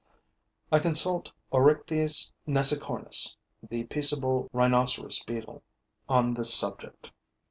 I consult Oryctes nasicornis, the peaceable rhinoceros beetle, on this subject.